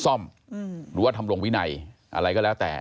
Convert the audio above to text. ซ่อมหรือว่าทำลงวินัยอะไรก็แล้วแต่